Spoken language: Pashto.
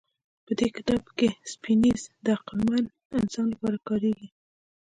په دې کتاب کې سیپینز د عقلمن انسان لپاره کارېږي.